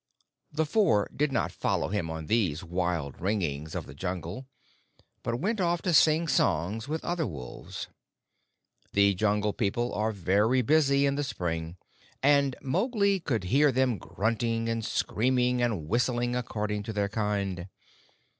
The Four did not follow him on these wild ringings of the Jungle, but went off to sing songs with other wolves. The Jungle People are very busy in the spring, and Mowgli could hear them grunting and screaming and whistling according to their kind.